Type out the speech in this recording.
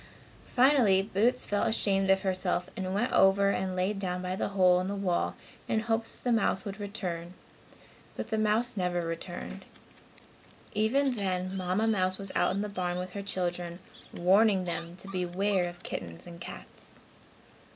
Finally Boots felt ashamed of herself and went over and lay down by the hole in the wall in hopes the mouse would return, but the mouse never returned. Even then Mamma mouse was out in the barn with her children, warning them to beware of kittens and cats.